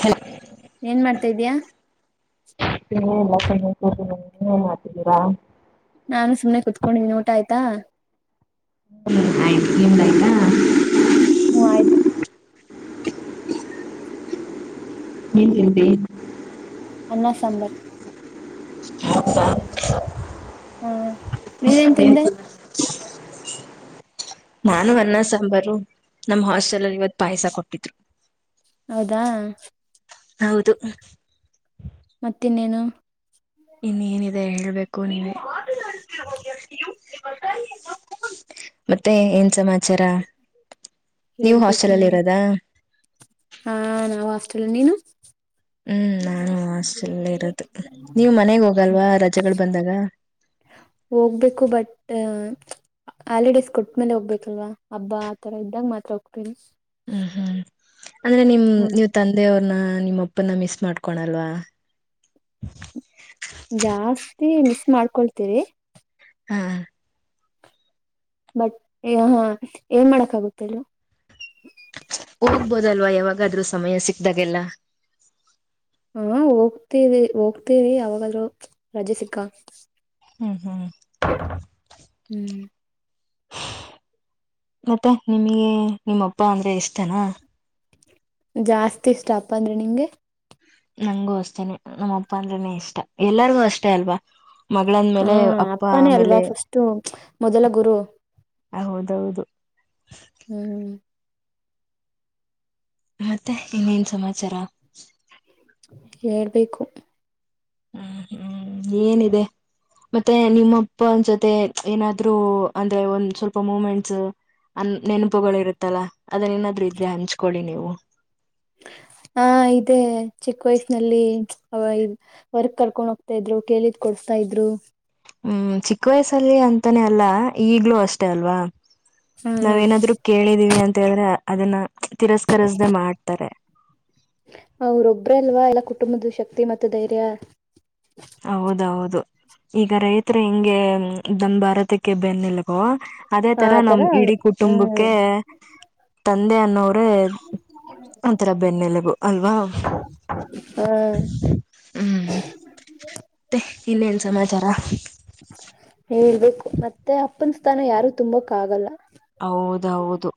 Hello ಏನ್ ಮಾಡ್ತಾ ಇದ್ಯಾ ಏನು ಇಲ್ಲ ಸುಮ್ಮನೆ ಕುಂತಿದ್ದೀನಿ ನೀವ್ ಏನ್ ಮಾಡ್ತಾ ಇದ್ದೀರಾ ನಾನು ಸುಮ್ನೆ ಕುತ್ಕೊಂಡಿದ್ದೀನಿ, ಊಟ ಆಯ್ತಾ? ಹೂಂ ಆಯ್ ನಿಂದಾಯ್ತಾ ಹ್ಮ ಆಯ್ತು ಏನ್ ತಿಂಡಿ ಅನ್ನ ಸಾಂಬರ್ ಹೂ ನೀನೇನ್ ತಿಂದೆ? ಹಾ ನಾನು ಅನ್ನ ಸಾಂಬಾರು ನಮ್ ಹಾಸ್ಟೆಲ್ ಅಲ್ಲಿ ಪಾಯಸ ಕೊಟ್ಟವ್ರೆ [inaudible] ಹೌದಾ? ಹೌದು ಮತ್ತಿನ್ನೇನು ಇನ್ನೇನಿದೆ ಹೇಳಬೇಕ್ [unintelligible] ಮತ್ತೆ ಏನು ಸಮಾ [unintelligible] ಹೇಳ್ಬೇಕು ನೀವು ಹಾಸ್ಟೆಲ್ ಅಲ್ಲಿ ಇರೋದು ಇಲ್ಲ ನೀನು? ನಾನು ಹಾಸ್ಟೆಲ್ಲೆ ಇರೋದು. ನೀವು ಮನೆಗ್ ಹೋಗಲ್ವಾ ರಜೆಗಳು ಬಂದಾಗ ಹೋಗ್ಬೇಕು ಬಟ್ ಹಾಲಿಡೇಸ್ ಕೊಟ್ಮೇಲೆ ಹೋಗಬೇಕಲ್ವ ಹಬ್ಬ ಆತರ ಇದ್ದಾಗ ಮಾತ್ರ ಹೋಗ್ತೀನಿ. [inaudible] ಹ್ಮ್ ಹ್ಮ್ ಅಂದ್ರೆ ಹ್ಮ್ ನಿಮ್ಮ ತಂದೆಯವರ ನಾ ನಿಮ್ಮಪ್ಪನ್ನ ಮಿಸ್ ಮಾಡ್ಕೊಳ್ಳಲ್ವಾ? ಜಾಡ್ಸ್ ಟಿ. ವಿ ಮಿಸ್ ಮಾಡ್ಕೊಳ್ತೀವಿ. ಹಾ ಬಟ್ ಹಯೇ ಹಾ ಏನ ಮಾಡೋಕ್ಕೆ ಆಗುತ್ತೆ ಹೇಳು ಹೋಗಬಹುದಲ್ವ ಯಾವಾಗಾದರೂ ಸಮಯ ಸಿಕ್ಕದಾಗೆಲ್ಲಾ? ಹ್ಮ್ ಹೋಗ್ತೀವಿ ಹೋಗ್ತೀವಿ ಯಾವಾಗಾದ್ರೂ ರಜೆ ಸಿಕ್ಕಾ ಹ್ಮ್ ಹ್ಮ್ ಹ್ಮ್ ಮತ್ತೆ ನಿಮಗೆ ನಿಮ್ಮಪ್ಪ ಅಂದ್ರೆ ಇಷ್ಟಾನಾ? ಜಾಸ್ತಿ ಇಷ್ಟ ಅಪ್ಪ ಅಂದ್ರೆ, ನಿಂಗೆ? ನಂಗೂ ಅಷ್ಟೇನೆ ನಮ್ಮಪ್ಪ ಅಂದ್ರೆನೆ ಇಷ್ಟ ಎಲ್ಲರಿಗೂ ಅಷ್ಟೇ ಅಲ್ವಾ? ಮಗಳಂದ್ ಹಾ ಮೇಲೆ ಅಪ್ಪ ಅಪ್ಪನೇ ಅಲ್ವಾ ಆಮೇಲೆ ಫಸ್ಟು ಮೊದಲ ಗುರು ಹೌದೌದು. ಹ್ಮ್ ಮತ್ತೆ ಇನ್ನೇನ್ ಸಮಾಚಾರ ಹೇಳಬೇಕು ಹ್ಮ್ ಹ್ಮ್ ಏನಿದೆ ಮತ್ತೆ ನಿಮ್ಮಪ್ಪನ ಜೊತೆ ಏನಾದ್ರು ಅಂದ್ರೆ ಒಂದ್ ಸ್ವಲ್ಪ ಮೊಮೆಂಟ್ಸ್ ನೆನಪುಗಳು ಇರುತ್ತಲ್ಲ. ಆದರೆ ಏನಾದರೂ ಇದ್ರೆ ಹಂಚಿಕೊಳ್ಳಿ ನೀವು. [inaudible] ಹಾ ಇದೆ. ಚಿಕ್ ವಯಸ್ನಲ್ಲಿ ಅವ ಇದ್ ಹೊರಗ್ ಕರ್ಕೊಂಡ್ ಹೋಗ್ತಾ ಇದ್ರು ಕೇಳಿದ್ ಕೊಡುಸ್ತಾಯಿದ್ರು, ಹ್ಮ್ ಚಿಕ್ ವಯಸ್ಸಲ್ಲಿ ಅಂತಾನೆ ಅಲ್ಲ ಈಗಲೂ ಅಷ್ಟೇ ಅಲ್ವಾ? ನಾವೇನಾದ್ರೂ ಕೇಳಿದಿವಿ ಅಂದ್ ದೇವ್ರೇ ಅದನ್ನ ತಿರಸ್ಕರುಸ್ದೆ ಮಾಡ್ತಾರೆ. ಅವರೊಬ್ರ ಅಲ್ವಾ ಕುಟುಂಬದ ಶಕ್ತಿ ಮತ್ತು ಧೈರ್ಯ ಹೌಹೌದು ಈಗ ರೈತರು ಎಂಗೆ ನಮ್ಮ ಭಾರತಕ್ಕೆ ಬೆನ್ನೆಲಾಬು ಅದೇ ತರ ಆತರ ನಮ್ಮ ಡಿಡಿ ಹ್ಮ್ ಕುಟುಂಬಕ್ಕೆ ತಂದೆ [inaudible] ಹ್ಮ್ ಅದರ ಬೆನ್ನೆಲುಬು ಅಲ್ವಾ ಹ ಹ್ಮ್ ಮತ್ತೆ ಇನ್ನಯೇನ ಸಮಾಚಾರ ಇರಬೇಕು ಮತ್ತೆ ಅಪ್ಪನ ಸ್ಥಾನ ಯಾರು ತುಂಬಕ್ಕೆ ಆಗಲ್ಲ ಹೌಹೌದು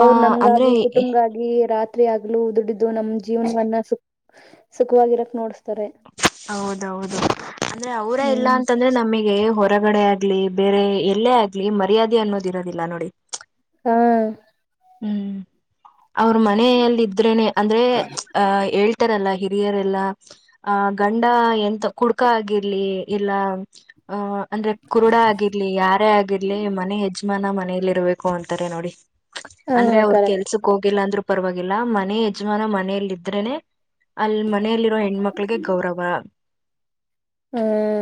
ಅವರು ನಮಗಾಗಿ ಕುಟುಂಬಗಗಾಗಿ ರಾತ್ರಿ ಹಗಲು ದುಡಿದು ನಮ್ಮ ಜೇವನವನ್ನ ಸು ಸುಖವಾಗಿರೋಕ್ಕೆ ನೋಡ್ತಾರೆ ಹೌದು ಹೌದು ಅದೇ ಅವರೇ ಇಲ್ಲ ಹ್ಮ್ ಅಂತ ಅಂದಮೇಲೆ ಹೊರಗಡೆಗ್ಲಿ ಬೇರೆ ಎಲ್ಲೇ ಆಗಲಿ ಮರ್ಯಾದೆ ಅನ್ನೋದು ಇರೋದಿಲ್ಲ ನೋಡಿ ಹ್ಮ್ ಹ್ಮ್ಮ್ ಅವರ ಮನೇಯಲ್ಲಿ ಇದ್ದರೇನೇ ಅಂದ್ರೆ ತರಲ್ಲ ಹಿರಿಯರೆಲ್ಲ ಆ ಗಂಡ ಎಂತ ಕುಡುಕ ಆಗಿರ್ಲೀ ಇಲ್ಲ ಆ ಅಂದ್ರೆ ಕುರುಡ ಆಗಿರಲಿ ಯಾರೇ ಆಗಿರ್ಲಿ ಮನೆ ಯಜಮಾನ ಮಾಡ್ ಮೇಲಿರಬೇಕು ಅಂತಾರೆ ನೋಡಿ ಹ ಅಂದ್ರೆ ಅವ್ರು ಕರೆಕ್ಟ್ ಕೆಲಸಕ್ಕೆ ಹೋಗಿಲ್ಲ ಅಂದ್ರು ಪರವಾಗಿಲ್ಲ ಮನೆ ಯಜಮಾನ ಮನೆಲಿಡ್ರೇನೆ ಆಲ್ ಮನೆಲಿರೋ ಹೆಣ್ಮಕ್ಳಿಗೆ ಗೌರವ ಹ್ಮ್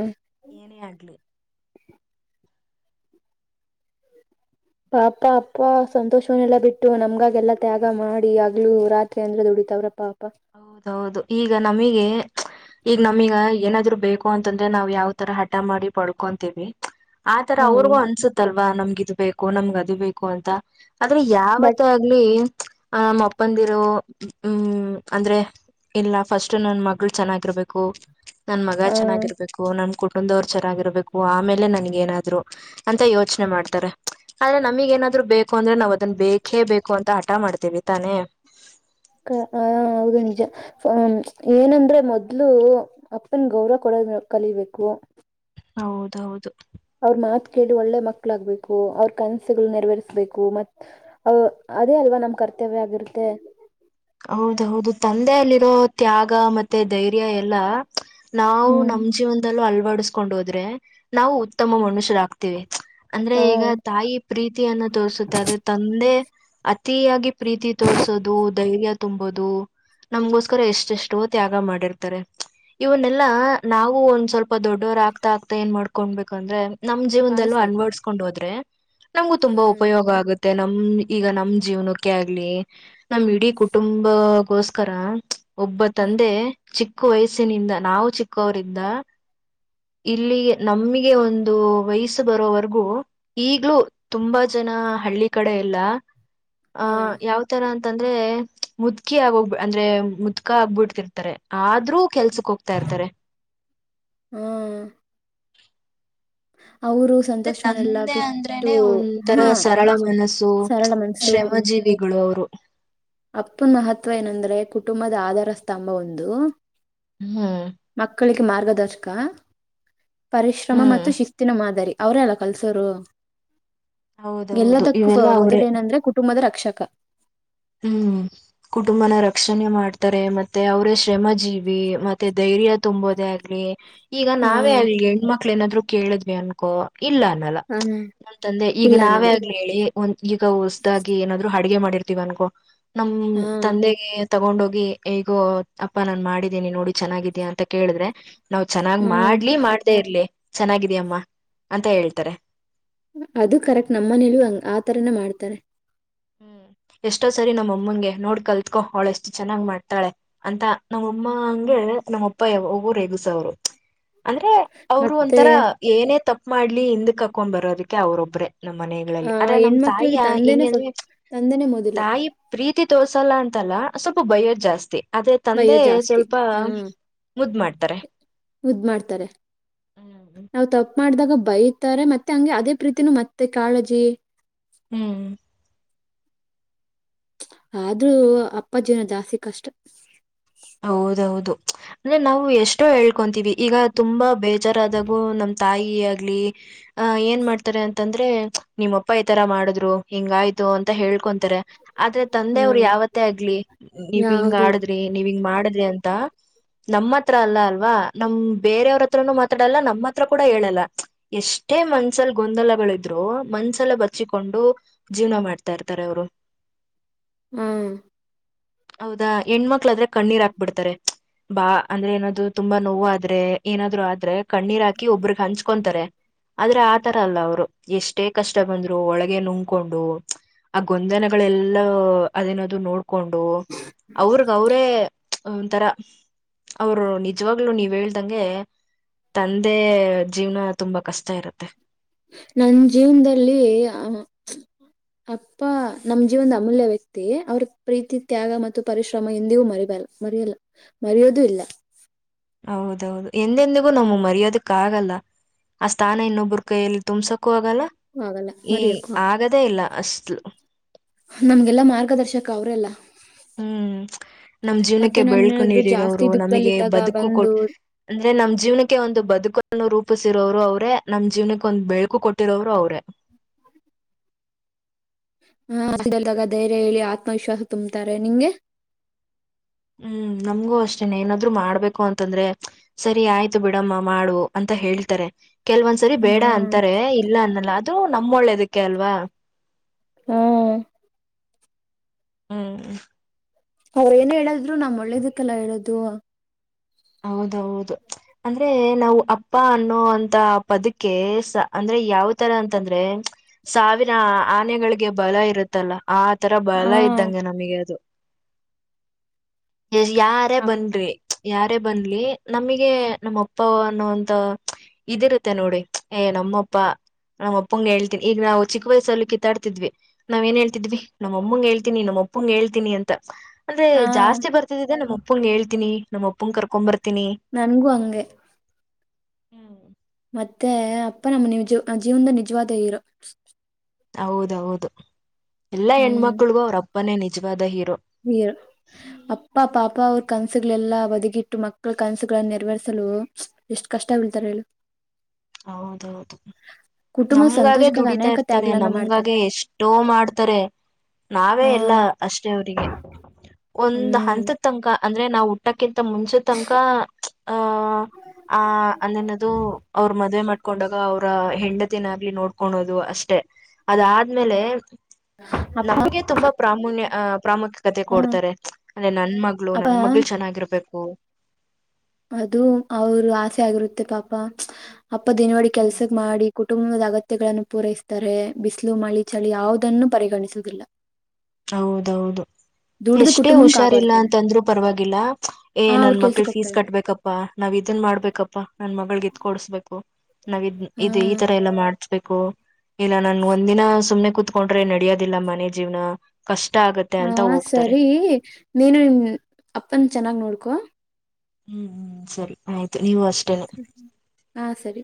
ಏನೇ ಆಗ್ಲಿ ಪಾಪ ಅಪ್ಪ ಸಂತೋಷವನ್ನೆಲ್ಲ ಬಿಟ್ಟು ನಮಗಾಗಿ ಎಲ್ಲ ತ್ಯಾಗ ಮಾಡಿ ಹಗಲು ರಾತ್ರಿ ಅಂದೇ ದುಡಿತವರೇ ಪಾಪ ಹೌದು ಈಗ ನಮಿಗೆ ಚ್ ಈಗ ನಮಿಗೆ ಏನಾದ್ರೂ ಬೇಕೂ ಅಂತಂದ್ರ ಯಾವ ಥರ ಹಠ ಮಾಡಿ ಪದಕೋಂತಿವಿ ಆ ಥರ ಅವರಿಗೂ ಅನ್ಸುತ್ತಲ್ವ ಪ ನಮ್ಗೆ ಇದು ಬೇಕು ನಂಗ್ ಅದು ಬೇಕು ಅಂತ ಆದ್ರೆ ಬಟ್ ಯಾವತ್ತೇ ಆಗ್ಲಿ ಆ ನಾಮಪ್ಪಂಡಿರು ಹುಂ ಅಂದ್ರೆ ಇಲ್ಲ ಫಸ್ಟು ನನ್ ಮಗಳು ಚೆನ್ನಾಗಿರಬೇಕು ನನ್ ಮಗ ಆ ಚೆನ್ನಾಗಿರಬೇಕು ನನ್ ಕುಟ್ ಮನೆಗೆ ಬಂದವರ ಚನಾಗಿರಬೇಕು ಆ ಮೆಲೆ ನನಗ ಎನದರುಅಂತ ಯೋಚನೆ ಮಾಡತಾರೆ ಆದ್ರೆ ನಮಗ ಎನ ಆದ್ರು ಬೆಕೆ ಬೇಕು ಅಂತ ಹಟ ಮಾಡತಿವಿ ತಾನೆ ಏನಂದ್ರೆ ಮೊದಲು ಅಪ್ಪ ಗ ಗೌರವ ಕೊಡಲು ಕಲಿಬೇಕು ಹೌದ ಹೌದು ಅವರು ಮಾತ ಕೇಳಿ ಒಳ್ಳೆ ಮಕ್ಕಳಾಗಬೇಕು ಅವರ ಕನಸುಗಳನ ನೆರವೇರಿಸಬೇಕು ಮತ್ ಅವರ ಅವೇ ಅಲ್ವಾ ಕರ್ತವ್ಯವಾಗಿರುತ್ತದೆ ಹೌದು ಹೌದು ತಂದೆಯಲ್ಲಿರೋ ತ್ಯಾಗ ಮತ್ತೆ ಧೈರ್ಯ ಎಲ್ಲಾ ನಾವು ಹ್ಮ್ ನಮ್ ಜೀವನ್ದಳ ಬಡ್ಸ್ಕೊಂಡ್ ಹೋದರೆ ನಾವು ಉತ್ತಮ ಮನುಷ್ಯರಾಗ್ತೀವಿ ಅಂದ್ರೆ ಈಗ ತಾಯಿ ಪ್ರೀತಿಯನ್ನು ತೋರಿಸುತ್ತೆ ತಂದೆ ಅತಿಯಾಗಿ ಪ್ರೀತಿ ತೋರಿಸುವುದು ಧೈರ್ಯ ತುಂಬೋದು ನಮಗೋಸ್ಕರ ಇಷ್ಟಿಷ್ಟೊತ್ತಿ ಆಗ ಮಾಡಿರುತ್ತಾರೆ ಇವನ್ನೆಲ್ಲಾ ನಾವು ಸ್ವಲ್ಪ ದೊಡ್ಡವರ ಅಗ್ತ ಆಗ್ತಾ ಏನ್ ಗೊಂಬೆ ಕಂದೇ ನನ್ ಜೀವನದಲ್ಲಿ ಪಾಲಿಸ್ಬೇಕು ಅಳವಡಿಸಿಕೊಂಡು ಹೋದರೆ ನಮಗೂ ಹಾ ತುಂಬಾ ಉಪಯೋಗ ಆಗ ಯೇ ನಮ್ಮ ಈಗ ನಮ್ಮ ಜೀವನಕೆ ಆಗಲಿ ನಮ್ಮ ಇಡಿ ಕುಟುಂಬ ಗೋಸ್ಕರ ಒಬ್ಬ ಹ ತಂದೆ ಚಿಕ್ ಚಿಕ್ಕ ವಾಯಸಿನಿಂದ ನಾವು ಚಿಕ್ಕವರಿದ ಇಲ್ಲಿ ನಮಗೆ ಒಂದು ವಯಸ್ಸು ಬರೋವರೆಗೂ ಈಗ್ಲೂ ತುಂಬಾ ಜನಾ ಹಳ್ಳಿ ಕಡೆ ಎಲ್ಲಾ ಆ ಹಾ ಯಾವ್ತರ ಅಂದರೆ ಮುದುಕಿ ಅಗೋಗಿ ಅಂದ್ರೆ ಮುದುಕಾ ಆಗೂ ಬಿಟ್ಟಿರ್ಟರೆ ಆದ್ರೂ ಕೆಲ್ಸಕ್ ಕೊಗ್ತಾ ಇರ್ತಾರೆ ಹಾ ಅವರು ಸಂತೋಷವನ್ನೆಲ್ಲ ತಂದೆ ಬಿಟ್ಟು ಅಂದ್ರೇನೆ ಒಂಥರಾ ಹಾ ಸರಳ ಮನಸ್ಸು ಸರಳ ಶ್ರಮ ಜೀವಿ ಒಳ್ಳೆವ್ರು ಅಪ್ಪನ್ ಹತ್ರಾ ಏನ್ ಅಂದ್ರೆ ಕುಟುಂಬದ ಆಧಾರ ಸ್ತಂಭವೆಂದು ಹ್ಮ್ ಬೇಕ್ ಮಾರ್ಗ ದರ್ಶಕಾ ಪರಿಶ್ರಮ ಹ್ಮ್ ಮತ್ತು ಶಿಸ್ತಿನ ಮಾದರಿ ಅವ್ರೆ ಅಲ್ವಾ ಕಲ್ಸೋರು ಹೌದೌದು ಎಲ್ಲದಕ್ಕೂ ಇವೆಲ್ಲಾ ಅವ್ರೇ ಮೊದ್ಲು ಏನ್ ಅಂದ್ರೆ ಕುಟುಂಬದ ರಕ್ ಕ್ಷಕ ಹ್ಮ್ ಕುಟುಂಬನಾ ರಕ್ಷಣೆ ಮಾಡ್ತಾರೆ ಮತ್ತೆ ಅವ್ರೆ ಶ್ರಮ ಜೀವಿ ಮತ್ತೆ ಧೈರ್ಯಾ ತುಂಬೋದ ಆಗ್ಲಿ ಈಗ ನಾವೇ ಹ್ಮ್ ಆಗ್ಲಿ ಹೆಣ್ಮಕ್ಕಳ ಏನ್ ಆದ್ರೂ ಕೇಳಿದ್ವಿ ಅನ್ಕೋ ಇಲ್ಲಾ ಅನ್ನಲ್ಲಾ ಹ್ಮ್ ಯಾಕಂದ್ರೆ ಈಗ ಇಲ್ಲ ನಾವೇ ಅನ್ನಲ್ಲ ಆಗ್ಲಿ ಏ ಹ್ಮ್ ಈಗ ಹೊಸದಾಗಿ ಏನಾದ್ರೂ ಹರ್ [unintelligible] ತೀವ್ ಅನ್ಕೋ ನಮ್ ಹ್ಮ್ ತಂದೆಗೆ ತಗೊಂಡ ಹೋಗಿ ಈಗೋ ಅಪ್ಪಾ ನಾನ್ ಮಾಡಿದೀನಿ ನೋಡು ಚನಾಗ್ ಇದೆ ಅಂತಾ ಕೇಳಿದ್ರೆ ನಾವ್ ಚನಾಗ ಹ್ಮ್ ಮಾಡ್ಲಿ ಮಾಡದೇ ಇರ್ಲಿ ಚನಾಗ ಇದೆ ಅಮ್ಮಾ ಅಂತಾ ಹೇಳಿರ್ತಾರೆ ಅದು ಕರೆಕ್ಟ್ ನಮ್ ಮನೇಲೂ ಹಂಗ್ ಆ ಆ ತಾರಾನೂ ಮಾಡ್ತಾರೆ ಹ್ಮ್ ಎಷ್ಟೋ ಸರಿ ನಮ್ಮ ಅಮ್ಮಂಗೆ ನೋಡಿ ಕಲ್ತ್ಹೋ ಅವಳ್ ಎಷ್ಟ ಚನಾಗ ಮಾಡ್ತಾಳೆ ಅಂತಾ ನಮ್ಮ ಅಮ್ಮಂಗೆ ನಮ್ಮ ಅಪ್ಪಾ ಯವಾಗೋ ರೆಗಸೋರು ಅಂದ್ರೆ ಅವ್ರು ಮತ್ತೆ ಒಂಥರಾ ಏನೇ ತಪ್. ಮಾಡ್ಲಿ ಹಿಂದಕ್ ಹಾಕೊಂದ ಬರೋದಕ್ಕೆ ಅವರ್ ಒಬ್ಬರೇ ನಮ್ಮ ಮನೆನಲ್ಲಿ ಆದ್ರೆ ನಮ್ಮ ತಾಯಿ ಆ ಹೆಂಗ್ ಅಂದ್ರೆ ತಂದೇನೆ ಮೊದಲು ತಾಯಿ ಪ್ರೀತಿ ತೋರಿಸಲ್ಲಾ ಅಂತ ಅಲ್ಲಾ ಸ್ವಲ್ಪಾ ಬಯ್ಯೋದ ಜಾಸ್ತಿ ಅದೇ ತಂದೆ ಬೈಯೋ ಜಾಸ್ತಿ ಸ್ವಲ್ಪಾ ಹ್ಮ್ ಮುದ್ದ ಮಾಡ್ತಾರೆ ಮುದ್ ಹ್ಮ್ ತಪ್ಪ ಮಾಡ್ದಾಗ ಬೈತಾರೆ ಮತ್ತೇ ಹಂಗೇ ಅದೇ ಪ್ರೀತಿನು ಮತ್ತೆ ಕಾಳಜಿ ಹ್ಮ್ ಆದ್ರು ಅಪ್ಪಾಜಿನ್ ಜಾಸ್ತಿ ಕಷ್ಟಾ. ಹೌದ ಹೌದು ಅಂದ್ರೆ ನಾವೂ ಎಷ್ಟೇ ಕೇಳ್ಕೊಂತೀವಿ ಈಗಾ ತುಂಬಾ ಬೇ ಜರಾದಬೋ ನಮ್ಮ ತಾಯಿ ಆಗಲೀ ಹಾ ಏನ ಮಾಡುತ್ತಾರೆ ಅಂದರ್ರೆ ಮತ್ತೆ ನಿಮ್ಮ ಅಪ್ಪ ಈ ತರ ಮಾಡುದ್ರು ಹಿಂಗಾತ್ತು ಅಂತ ಹೇಳಕೂಂತಾರೆ ಅಂದ್ರೇ ತಂದೆ ಅವರು ಹ್ಮ್ ಯಾವತ್ತೆ ಆಗಲ್ಲಿ ನೀವ ಇಂಗ ಯಾವ್ದು ಇಲ್ಲ ಆಡದ್ರಿ ಇಂಗ‌ ಮಾಡಿದ್ರಿಂತ ನಮ್ತ್ರ ಅಲ್ಲಾ ಅಲ್ವಾ ನಮ್ಮ ಬೇರೂರ ಅತ್ರನು ಮಾತಾಡಲ್ಲ ನಮ್ಮತ್ರ ಕೂಡ ಹೇಳಲ್ಲ ಎಷ್ಟೆ ಮನಸ್ಸಲ ಗೂಂದಲಗಳ ಈದ್ರು ಮನಸ್ಸಲೇ ಬಚ್ಚಿಟಕೂಂಡು ಜೀವನ ಮಾಡ್ತೀರತ್ತಾರೆ ಅವರು ಹ್ಮ್ಮ್ ಹೌದಾ ಹೆಣ್ಣುಮಕ್ಕಳಾದರೇ ಕಣ್ಣರ ಹಾಕಬಿಡತ್ತಾರೆ ಅಂದರೆ ಏನು ಅದು ತುಂಬಾ ನೋವ ಆದರೆ ಏನಾದರು ಆದರೇ ಕಣ್ಣರ ಹಾಕಿ ಒಬ್ಬರಿಗೆ ಹಂಚಕೂಂತಾರೆ ಆದರೇ ಆತರಾ ಅಲ್ಲ ಅವರು ಎಷ್ಟೆ ಕಷ್ಟ ಬಂದರು ಒಳಗೆ ನುಂಗಕೂಂಡು ಆ ಗೂಂದಲಗೂಳ ಎಲ್ಲಾ ಅದೇನ ಅದು ನೋಡ.. ನೋಡಕೂಂಡು ಅವರಗ ಅವರೇ ಒಂದತರ ನಿಜವಾಗ್ಲೂ ನೀವು ಹೇಳ್ದಂಗೆ ತಂದೆ ಜೀವನ ತುಂಬಾ ಕಷ್ಟ ಇರುತೇ ನಮ್ಮ ಜೀವನದಲ್ಲಿ ಅಪ್ಪ ನಮ್ಮ ಜೀವನದ ಅಮೂಲ್ಯ ವ್ಯಕ್ತಿ ಅವರ ಪ್ರೀತಿ ತ್ಯಾಗ ಮತ್ತು ಪರಿಶ್ರಮ ಎಂದಿಗು ಮರಿಬಾರದು ಮರೆಯಲ್ಲ ಮರೆಯೋದು ಇಲ್ಲ ಹೌದೌದು ಎಂದೆಂದಿಗೂ ನಮಗ ಮರೆಯೋದುಕ್ಕಾಗಲ್ಲ ಆ ಸ್ಥಾನ ಇನ್ನೊಬ್ರು ಕೈಯಲ್ಲಿ ತುಂಬಿಸಕ್ಕಾಗಲ್ಲ ಆಗಲ್ಲ ತುಂಬಿಸೋಕಾಗಲ್ಲ ಮರೆಯಕ್ಕೂ ಆಗದೇ ಇಲ್ಲ ಅಷ್ಟು ನಮಗೆಲ್ಲ ಮಾರ್ಗದರ್ಶಕ ಅವರೇ ಅಲ್ಲ ಉಮ್ಮ ನಮ್ ಜೀವನಕ್ಕೆ ನಾನ್ ಬೆಳಕು ಏನಾದ್ರು ಜಾಸ್ತಿ ನೀಡಿರುವರು ನಮಗೆ ದುಃಖದಲ್ಲಿದ್ದಾಗ ಬಂದು ಬದುಕುಕೊಟ್ಟ ಅಂದ್ರೆ ನಮ್ಮ ಜೀವನಕ್ಕೆ ಒಂದು ಬದುಕನ್ನು ನಮ್ಮನ್ನು ರೂಪಿಸಿರುವರು ನಮ್ಮ ಜೀವನಕ್ಕೆ ಒಂದು ಬೆಳಕು ಕೊಟ್ಟಿರುವವರು ಅವರೇ ಆ ಹಾಸ್ಟೆಲ್ದಾಗ‌ ಧೈರ್ಯ ಹೇಳಿ ಆತ್ಮವಿಶ್ವಾಸ ತುಂಬತ್ತಾರೆ ನಿಮಗೆ ಹ್ಮ್ಮ್ ನಮಗೂ ಅಷ್ಟೇನೆ ಏನಾದರೂ ಮಾಡಬೇಕು ಅಂತಂದ್ರೆ ಸರಿ ಸರಿ ಆಯ್ತು ಬಿಡಮ್ಮ ಮಾಡು ಅಂತ ಹೇಳ್ತಾರೆ ಕೆಲವೊಂದು ಸರಿ ಬೇಡ ಹ್ಮ್ ಅಂತಾರೆ ಇಲ್ಲ ಅನ್ನಲ್ಲ ಅದು ನಮ್ಮ ಒಳ್ಳೇದಕ್ಕೆ ಅಲ್ವಾ ಆ ಅ ಆ ಅ ಅವರೇನ‌ ಹೇಳದರು ನಮ್ಮ ಒಳ್ಳೇದಕ್ಕಲ್ಲ ಹೇಳೋದು ಹೌದೌದ ಅಂದ್ರೆ ನಾವು ಅಪ್ಪ ಅನ್ನೋ ಅಂತ ಪದಕ್ಕೆ ಅಂದ್ರೆ ಯಾವ ತರ ಅಂತ ಅಂದ್ರೆ ಸಾವಿರ ಆನೆಗಳಿಗೆ ಬಲ ಇರುತ್ತಲ್ಲ ಆತರ ಹ ಬಲ ಇದ್ದಂಗೆ ನಮಗೆ ಅದು ಬೇರೆ ಅಪ್ ಯಾರೇಬನ್ರೀ ಯಾರ ಯಾರೇ ಬರಲಿ ನಮಗೆ ನಮ್ಮಪ್ಪ ಅನ್ನುವಂತ ಇದು ಇರುತ್ತೆ ನೋಡಿ ಏನಮ್ಮಪ್ಪ ನಮ್ಮಪ್ಪಂಗೆ ಹೇಳ್ತೀನಿ ಈಗ ನಾವು ಚಿಕ್ಕ ವಯಸ್ಸಲ್ಲು ಕಿತ್ತಾಡ್ತಿದ್ವಿ ನಾವೇನ್ ಹೇಳ್ತಿದ್ವಿ ನಮ್ಮಮ್ಮಂಗೆ ಹೇಳ್ತೀನಿ, ನಮ್ಮಪ್ಪಂಗೆ ಹೇಳ್ತೀನಿ ಅಂತ. ಅಂದ್ರೆ ಹ ಜಾಸ್ತಿ ಬರ್ತಿದ್ದಿದೆ ನಮ್ಮಪ್ಪ ನಮ್ಮಪ್ಪಂಗೆ ಹೇಳ್ತೀನಿ ನಮ್ಮಪ್ಪ ನಮ್ಮಪ್ಪಂಗ ಕರ್ಕೊಂಬರ್ತೀನಿ ನನಗೂ ಅಂಗೆ ಉಮ್ಮ ಮತ್ತೆ ಅಪ್ಪ ನಮ್ಮ ನಿವ ಜೀವ ಜೀವನ ನಿಜವಾದ ಹೀರೋ ಹೌದೌದು ಎಲ್ಲ ಹೆಣ್ಣ ಮಕ್ಕಳಗೂ ಅವರಪ್ಪ ಪನ್ನೇ ನಿಜವಾದ ಇಪ್ಪ ನೀರ ಅಪ್ಪ ಪಾಪ ಅವರು ಕನಸುಗಳೆಲ್ಲ ಬದಿಗಿಟ್ಟು ಮಕ್ಕಳ ಕೆಲಸಗಳನ್ನು ನೆರವೇರಿಸಲು ಎಷ್ಟು ಕಷ್ಟ ಪಡುತ್ತಾರೆ ಹೇಳು ಹೌದ ಹೌದ ಕುಟುಂಬ ನಮಗ ಆಗೆ ಸಂತೋಷಕ್ಕಾಗಿ ಅನೇಕ ದುಡಿತ್ತಿರುತ್ತಾರೆ ತ್ಯಾಗಗಳನ್ನ ಮಾಡ್ತಾರೆ ನಮಗಾಗೆ ಎಷ್ಟೋ ಮಾಡುತ್ತಾರೆ ಹಾ ನಾವೇಎಲ್ಲಾ ಅಷ್ಟೆ ಅವರಿಗೆ ಒಂದ ಹ್ಮ್ ಹಂತದ ತನಕ ಅಂದ್ರೆ ನಾವು ಹುಟ್ಟಕ ಕಿಂತ ಮುಂಚೆ ತನಕ ಹ ಆ ಏನನ ಅದು ಅವ್ರ್ ಮದುವೆ ಮಾಡ್ಕೊಂಡ್ ಅವರ್ ಹೆಂಡತಿನ ಆಗ್ಲಿ ನೋಡಿಕೊಳ್ಳುವುದು ಅಷ್ಟೇ ಅದಾದ್ಮೇಲೆ ಅಪ್ಪ ನಮಗೆ ತುಂಬಾ ಪ್ರಾಮುನ್ಯ ಪ್ರಾಮುಖ್ಯತೆ ಕೊಡ್ತಾರೆ ಅಂದ್ರೆ ನನ್ ಮಗಳು ಅಪ್ಪ ನನ್ ಮಗಳ ಚೆನ್ನಾಗಿರಬೇಕು [inaudible] ಅದು ಅವರ ಆಸೆ ಆಗಿರುತ್ತೆ ಪಾಪ ಅಪ್ಪಾ ದಿನವಾಡಿ ಕೆಲಸ ಮಾಡಿ ಕುಟುಂಬದ ಅಗತ್ಯಗಳನ್ನು ಪೂರೈಸುತ್ತಾರೆ ಬಿಸಿಲು ಮಳಿ ಚಳಿ ಯಾವುದನ್ನು ಪರಿಗಣಿಸುವುದಿಲ್ಲ ಹೌದು ಹೌದು ದುಡ್ದು ಎಷ್ಟೇ ಕುಟುಂಬನ್ ಹುಷಾರಿಲ್ಲ ಕಾಪಾಡ್ತಾರೆ ಅಂತಂದ್ರು ಪರ್ವಾಗಿಲ್ಲ ಆ ಏನ್ ಅವ್ರ ನನ್ ಮಗಳು ಕೆಲ್ಸಕ್ ಫೀಸ್ ಹೋಗ್ತಾರೆ ಕಟ್ ಬೇಕಪ್ಪ ನಾವಿದನ್ ಮಾಡ್ಬೇಕಪ್ಪ ನನ್ ಮಗಳಿಗೆ ಇದನ್ನು ಕೊಡಿಸಬೇಕು ನಾವಿದುನ್ ಹಾ ಇತರ ಎಲ್ಲ ಮಾಡಛ ಬೇಕು ಇಲ್ಲ ನಾನು ಒಂದಿನ ಸುಮ್ಮನೆ ಕೂತ್ಕೊಂಡ್ರೆ ನಡೆಯದಿಲ್ಲ ಮನೆ ಜೀವನ ಕಷ್ಟ ಆಗತ್ತೆ ಹಾ ಅಂತ ಹೋಗ್ತಾರೆ ಸರಿ ನೀನು ಇನ್ ಅಪ್ಪನ ಚೆನ್ನಾಗ್ ನೋಡ್ಕೋ ಕೂ ಹ್ಮೂ ಸರಿ ಆಯ್ತ್ ಈ ವರ್ಷ ಹಾ ಸರಿ